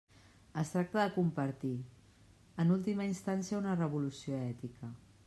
Es tracta de compartir, en última instància una revolució ètica.